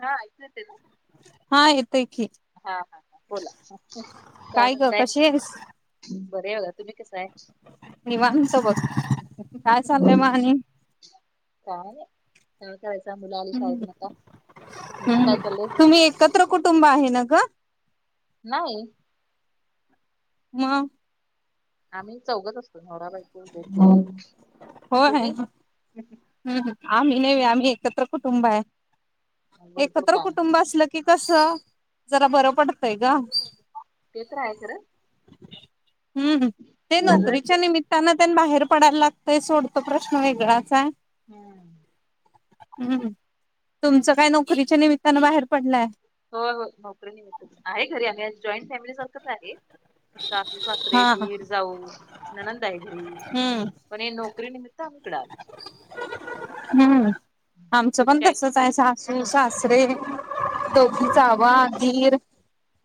हा ऐक ते ना हा येतोय की हा हा हा बोला कारण ग काय कशी आहेस बरे होग तुम्ही कसे आहे निवांत बघ काय चाललंय मा आणि का का करायच मुला ह हम् चाललंय तुम्ही एकत्र कुटुंब आहे ना ग नाही मग आम्ही चौघच असतो नवराबायको दोघंच तुम्ही ह आम्ही नेह आम्ही एकत्र कुटुंब आहे भरपूर एकत्र काम कुटुंब असलं की कस जरा बरं पडतय ग ते तर आहे खर हम्म ते नोकरीच्या निमित्तानं त्यां बाहेर पडायला लागतंय सोडतो प्रश्न हम्म वेगळाच आहे हम्म हम्म तुमचं काय नोकरीच्या निमित्तानं बाहेर पडलंय हो हो नोकरी नाही मिळत आहे घरी आम्ही जॉईंट फॅमिली सारखंच आहे सासू सासरे हा दीर जाऊ ननंदय घरी हम्म पण हे नोकरी निम्मित इकडं आलो हम्म आमचं तुम्ही पण काय तसचयच सासरे हम्म दोघी जावा धीर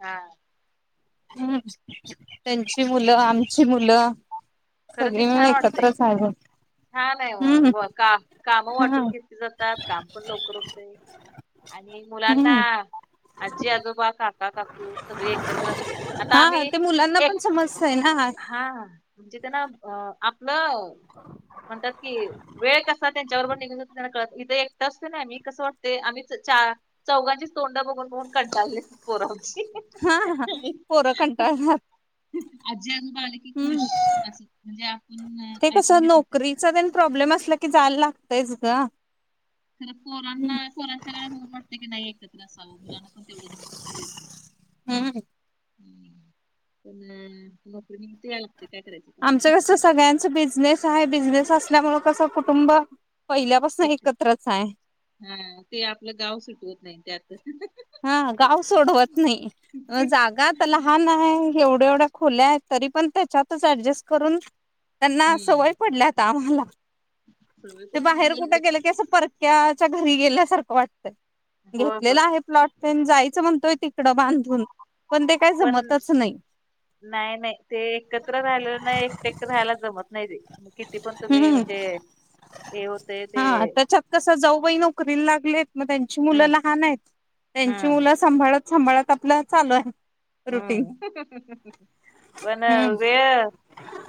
हा हम्म त्यांची मुलं आमची मुलं सगळी मिळून एकत्रच आहोत हा नाही का काम हा वाटून घेतली जातात काम पण लवकर होत आणि मुलांना हम्म आजी आजोबा काका काकू सगळे एकत्र अस आता हा आम्ही ते मुलांना पण एक समजतय ना हा म्हणजे त्यांना आपलं म्हणतात कि वेळ कसा त्यांच्यावररोबर निघून थ एकच नाही मी कस वाटते आम्ही च चौघां तोंडा बघुन बघुन कंटाळेत पोर आमची. हा पोरं कंटाळतात जान बालीकी हम्म खुश अस म्हणजे आपण ते ऐकुन कसं घेत नोकरीचा प्रॉब्लेम असला की जायला लागतयच ग खर पोरांना पोरांच्याडे वाटतं की नाही एकत्र असावं मुलांना पण तेवढंच हम् ह हम् अन ऎंटिलेजेबल आमचं कसं सगळ्यांच बिझनेस आहे बिझनेस असल्यामुळे कसं कुटुंब पहिल्यापासून एक एकत्रच आहे हा ते आपलं गाव सुटवत नाही त्यात हा गाव सोडवत नाही जागा तर लहान आहे एवढे एवढ्या खोल्यात तरी पण त्याच्यातच अऍडजस्ट करून त्यांना सवय हम्म पडल्यात आम्हाला सवय ते पण बाहेर म्हणली कुठं गेल की असं परक्याच्या घरी गेल्यासारखं वाटत. होय होय घेतलेला आहे प्लॉट प जायचं म्हणतोय तिकडं बांधुन पण ते काही जमतच नाही. नाही नाही ते एकत्र राहीलेल नाही झालं एकट एकट राहायला जमत नाही. मग किती पण तुम्ही हम्म म्हणजे हे होतय ते हा त्याच्यात कस जाऊबाई नोकरी लागले. मग त्यांची हम्म मुलं लहान आहेत त्यांची मुल हम्म सांभाळत सांभाळत आपलं चालु आहेत. हम्म पण हम्म. वेळ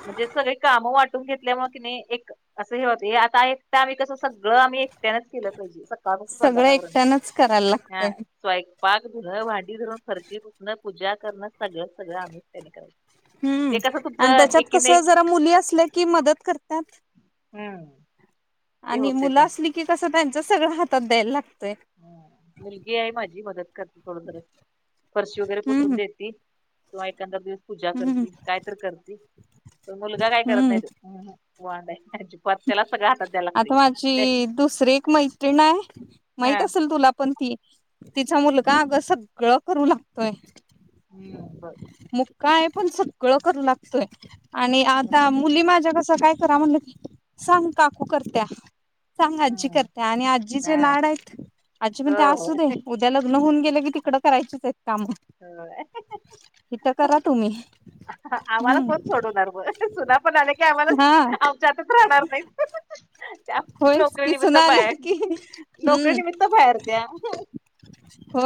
म्हणजे सगळे काम वाट तु घेतल्यामुळे कि एक असं हे होत आता एक आम्ही कसं सगळं आम्ही एकट्यानच केलं पाहिजे. अन सगळं एकट्यानच करायला लागतंय. ऎंटिलेजेबल पाक धुणं भांडी धरून फर्ची पुसण पुजा करणं सगळं सगळं आम्ही त्यांनी करायच. हम्म ते कसं आणि तुमचं त्याच्यात कस एकीने एक जरा मुली असल्या कि मदत करतात. हम्म ते आणि होते मुलं तुमचं. असली की कसं त्यांच सगळं हातात द्यायला लागत. हा मुलगी आहे माझी मदत करते थोड जरस फरशी वगैरे पुसून हम्म देत किंवा एखाद्या दिवस पुजा हम्म करती काय तर करते मुलगा काय करत हम्म नाही तो वांड आहे अजिबात त्याला सगळं हातात द्यायला आता लागतंय. ते माझी दुसरीे एक मैत्रीिण आहे मै हा असल तुला पण ती तिचा मुलगा अग सगळं करू लागतोय. हम्म बर काय पण सगळं करू लागतोय आणि हम्म. आता मुली माझ्या कसं काय करा म्हणलं की सांग काकु करत्या सांग आजी हम्म करत्या आणि आजी जे हा लाड आहेत. आजी पण ते हो असू हो. देे उद्या लग्न होऊन गेले की तिकडं करायचीच आहे. काम इथं करा तुम्ही आम्हाला पण हम्म सोडवणार मग सुना पण आले की आम्हाला हा आमच्या आता राहणार नाही. त्या होयच नोकरी की निमित्त सुना आले बाहेर की नोकरी हम्म निमित्त बाहेर द्या. हो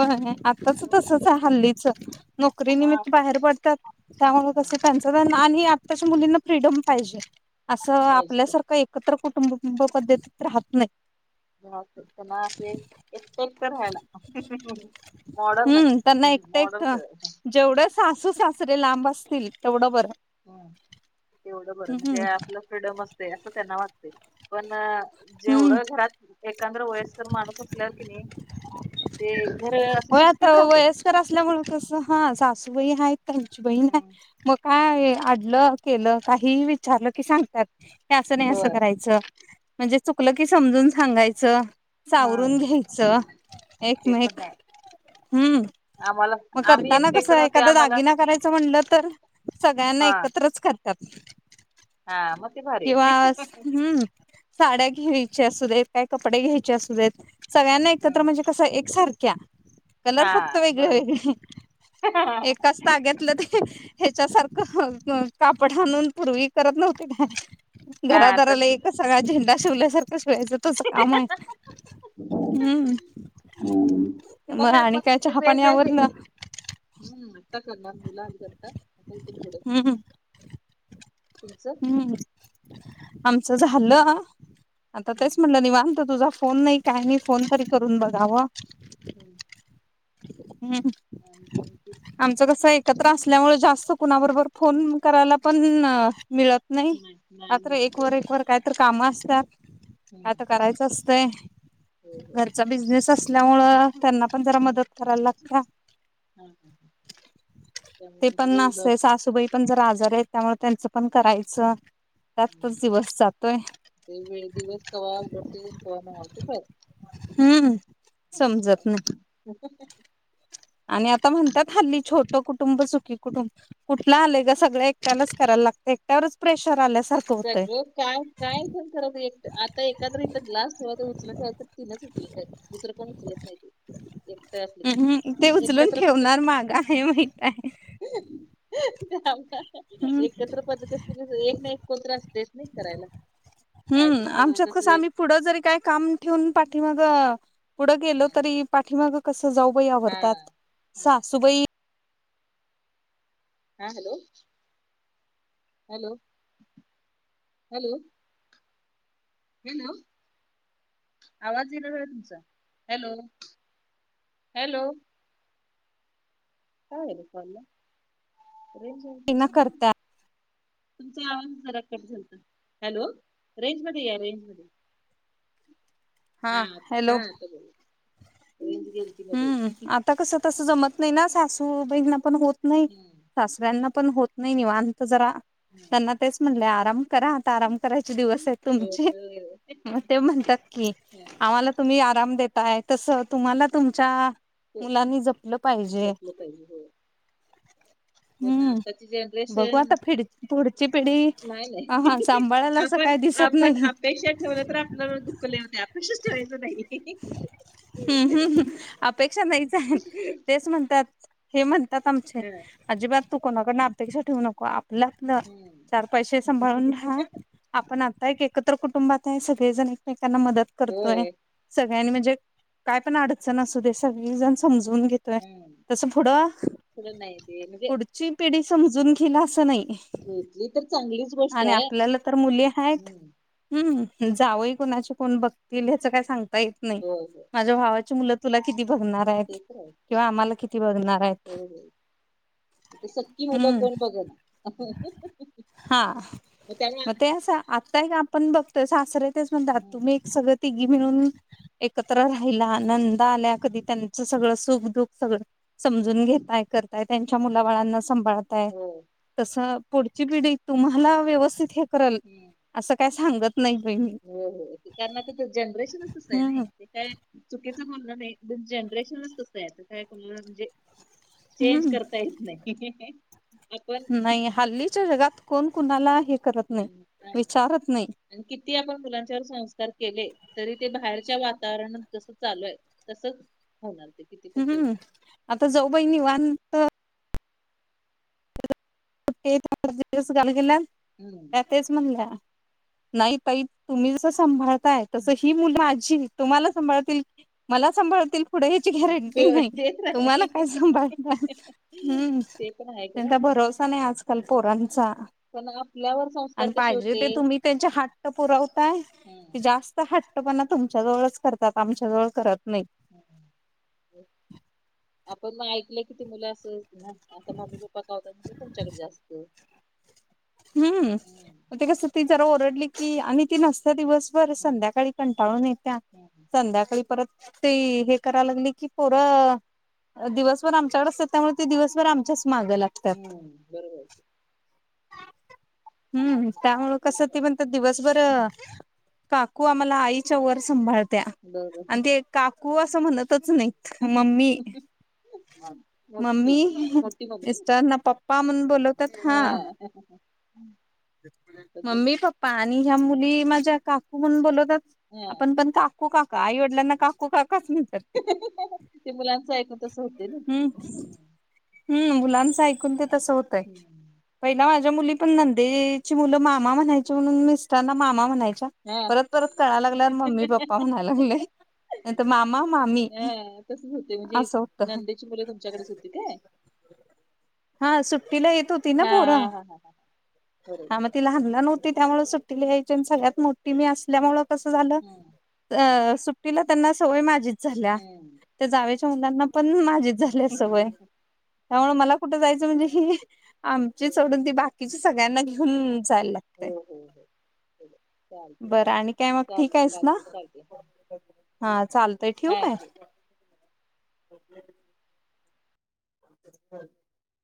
आताच हम्म. तसच हाय हल्ली. नोकरी हा निमित्त बाहेर पडतात त्यामुळे तसं त्यांच आत्ताच्या मुलींना फ्रीडम पाहिजे अस आपल्या पाहिजे पाहिजे सारख एकत्र कुटुब ब पध्तीत राहत नाही. ब ना असे एकट एकट राहायला. मॉडर्न हम्म त्यांना एकट एकट मॉडर्न जेवढं सासु सासरे लांब असतील तेवढ बरं. हम् तेवढ बरं म्हणजे हम्म आपल फ्रीडम असते अस त्यांना वाटते. पण हम्म जेवढं घरात एकंद्र वयस् तर माणुस असल्यावर कि नाही ते घर असं हो आता शिस्तीत राहते वयस्कर असल्यामुळे कस हा सासु बहीण आहेत त्यांची बहीण आहे हम्म, मग काय हम्म. अडलं केलं काही विचारलं की सांगतात की अस नाही अस होय करायचं. म्हणजे चुकल की समजुन सांगायच. हा चावरून घ्यायचं ते एकमेक पण आहे हम्म आम्हाला मग आम्ही करताना एकटे एकटे कसं राहते एखादा आम्हाला दागिना करायचं म्हणलं तर सगळ्यांना हा एकत्रच करत पत हा म किंवा हम्म साड्या घ्यायच्या असू देत काय कपडे घ्यायचे असू देत सग्यांना एकत्र हम्म म्हणजे कसं एकसारख्या कलर फक्त हा वेगळे बरोबर वेगळे एकाच ताग्याेतलं ते ह्याच्यासारखं कापड आणा आणून पूर्वी करत नव्हती त्या हा घरादाराला तस एकच सांगा झेंडा शिवल्यासारखा स व्यायचं तच काम आहे हम्म मग पण आणि काय तिघे चहापाणी आवर वेगवेगळे ना हम्म आता करणार मुलंलीात आता इथून पुढ हम्म हम्म आमचं झालं आता तेच हम्म म्हणलं नि वानत तुझा फोन नाही काय मी फोन तरी करून बघाव हम्म ह् आमचं कस एकत्र असल्यामुळे जास्त कुणाबरोबर फोन करायला पण मिळत नाही नाही आता मिळत एक वर एक वर काय तर काम असतात काय तर करायचं असत हो घरचा बिझनेस असल्यामुळ त्यांना पण जरा हो मदत करायला लागत त्यामुळे ते म्हणजे पण न वेळ मिळत असत नाही सासूबाई पण जर आजार त्यामुळे त्यांचं पण करायचं हम्म त्यातच दिवस जातोय ते वेळ दिवस तघडतेस क नवतो खर हम्म समजत नाही आणि आता म्हणतात हल्ली छोटं कुटुंब चुकी कुटुंब कुठलं आलंय ग सगळं एककालाच करायला प्र आ सगळं काय काय पण करत आता एखाद्र इथं ग्लास ठेवात उचल ठेवा तिनच दुसरं कोण चलत नाही एकट असल की हम्म ते उचलून एकत्र कुठं ठेवणार माग आहे माहित आहे आ हम्म. एकत्र पद्धती अस एक नाही कोणत्र असतेस नाही करायला हम्म कायतरी आमच्यात करायचं अस कसं एक आम्ही पुढं जरी काय काम ठेवून पाठीमाग पुढं गेल हम्म तरी पाठीमाग कस जाऊ हा आवरतात हा सुबई हा हॅलो हॅलो हॅलो हल आवाज दिला आहे तुमचा हॅलो हॅलो काय ह फला ना करत्यात. तुमचा आवाज खरा कमी झालता हॅलो रेंज मध्ये या रेंज मध्ये हा हा त बोल हम्म आता कसं तसं जमत नाही ना सासू बहिण पण होत नाही सासऱ्यांना पण होत नाही निवत जरा त्यांना तेच म्हणले करा आता आराम करायचे दिवस आहे तुमचे मग ते म्हणतात की आम्हाला तुम्ही आराम देताय तस तुम्हाला तुमच्या मुलांनी जपलं पाहिजे जपलं पाहिजे हो पण हम्म आताची बघू जनरेशन आता फ पुढची पिढी नाही नाही हा सांभाळायला अस आपण आपण अपेक्षा ठेवलं तर आपल्याला दुःखव नाही अपेक्षच ठेवायच नाही हम्म हम्म ह अपेक्षा नाहीच आहेत तेच म्हणतात हे म्हणतात आमचे ह अजिबात तू कोणाकडे ना्याक्ष ठेव नक आप लागलं हम्म चार पैसे सांभाळून राहा आपण आता एक एकत्र कुटुंबात आहे सगळेजण एकमेकांना मदत करतोय होय सगळ्यांनी म्हणजे काय पण अड चन असूदे सगळीजण समजून घेतोय हम् तस पुढं थोडं नाही ते म्हणजे पुढची पिढी समजून घिल आस नाही घेतली तर चांगलीच गोष्ट आणि आहे आपल्याला तर मुली हायत हम्म हम्म. जावई कोणाचे कोण बघतील हेच काही सांगता येत नाही हो हो माझ्या भावा मुलं तुला किती बघणार हायत ते तर आहे किंवा आम्हाला किती बघणार हायत. इथ सक्की मुलं कोण बघना. हा मग ते अस आताएक आपण बघ सासरे तेच म्हणत्यात तुम्ही एक सगळ तिघी मिळून एकत्र राही नंदा आल्या कधी त्यांच सगळं सुख, दुख सगळ समजून घेताय करताय. त्यांच्या मुलाबाळांना सांभाळताय हो तसं पुढची पिढी तुम्हाला व्यवस्थित हे करल अस काय सांगत नाही बाई मी होय होय ते त्यांना ते जनरेशनच तसय हम्म नई ते काय च बोलण नाही जनरेशनच तसं आहे तर आता काय कुणाला म्हणजे चेंज हम्म करता येत नाही. आपण नाही हल्लीच्या जगात कोण कुणाला हे करत नाही विचारत नाही. आणि किती आपण मुलांच्यावर संस्कार केले तरी ते बाहेरच्या वातावरणात जस चालूय तसच होणार ते किती पण हम्म तुम्ही आता जाऊबाई निवांत [unintelligible] गेल्यात हम्म त्या तेच म्हणल्या. नाई ताई तुम्ही जस सांभाळताय तस ही मुलं ची तुम्हाला सांभाळतील मला सांभाळतील पुढे याची गॅरंटी नाही तेच तुम्हाला आहे काय सांभाळतात हम्म ते पण आहे खरं त्यांचा आता भरोसा आजकाल पोरांचा पण आपल्यावर संस्कार आणि कसे पाहिजे होते ते तुम्ही त्यांचे हट्ट पुरवताय ते हम्म जास्त ह हट्टपणा तुमच्या जवळच करतात आमच्या जवळ करत नाईत. हम्म. आपण ऐकलं किती मुलं असंच ना आता मम्मी, पप्पा कावतात म्हटल्याव तुच्याकड जास्त. हम्म म ते कस ती जरा ओरडली की आणि ती नसत्या दिवस बर हम्म संध्याकाळी कंटाळून येत्या हम्म संध्याकाळी परत ते हे कराय लागली की पोरं दिवसभर आमच्याकड असत्यात त्यामुळे ते दिवसभर आमच्याच मागं लागतात. हम्म बरोबर. हम्म त्यामुळं कसं ती म्हणत्यात दिवसभर काकू आम्हाला आईच्या वर सांभाळत्या बरोबर आणि ते काकू असं म्हणत तच नाईत मम्मी. मोठी मम्मी मोठी मम्मी मिस्टर ना पप्पा म्हणून बोलवतात हा. तर ते मम्मी, पप्पा आणि ह्या मुली माझ्या काकू म्हणून बोलत त हा आपण पण काकू, काका, आईवडिलांना, काकू काक काच म्हणत्यात ते ते मुलांचं ऐकून तसं होते ना हम्म हम् मुलांचं ऐकून ते तसं होतय हम्म पहिला माझ मुली पण नंदेची मुलं मामा म्हणायची म्हणून मिस्टरांना मामा म्हणाय च्या हा परत परत कळा लागल्यावर मम्मी, पप्पा म्हणाय लागले. नाही तर मामा, मामी हा तसच होते म्हणजे असं होत. नंदेची मुलं तुमच्याकडेच होती काय हा सुट्टीला येत होती ना हा पोरं. हा हा हा हा बरोबर म ती लहान लहान होती त्यामुळं सुट्टीली यायची अन् आणि सगळ्यात मोठी मी असल्यामुळ कसं झालं हम्म अ सुट्टीला त्यांना सवय माझीच झाल्या हम्म ते जावेच मुलांना पण माझीच झाल्या सवय. त्यामुळे मला कुठं जायचं म्हणजे कि आमचे सोडून ते बाकीच्या सगळ्यांना घेऊन जायला लागतंय. चालतंय चालत चालतंय आहेस ना चालतंय चालतंय. हा चालतय ठेऊ काय. हम्